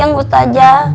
uang just aja